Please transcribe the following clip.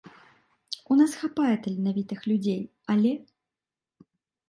У нас хапае таленавітых людзей, але!